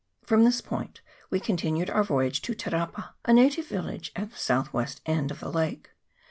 From this point we continued our voyage to Te Rapa, a native village at the south west end of the lake.